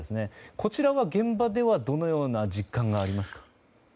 こちらは現場ではどのような実感がありますか。